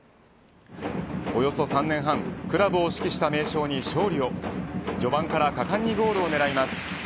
およそ３年半クラブを指揮した名将に勝利を序盤から果敢にゴールを狙います。